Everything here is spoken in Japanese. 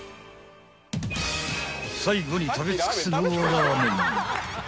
［最後に食べ尽くすのはラーメン］